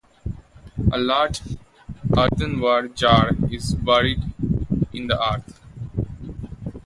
A large earthenware jar is buried in the earth.